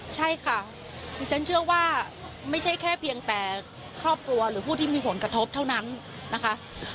ใช่ค่ะดิฉันเชื่อว่าไม่ใช่แค่เพียงแต่ครอบครัวหรือผู้ที่มีผลกระทบเท่านั้นนะคะ